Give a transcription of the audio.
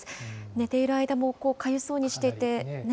寝ている間も、かゆそうにしていて。